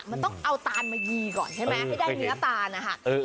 มันต้องเอาตานมายีก่อนใช่ไหมให้ได้เนื้อตาลนะคะ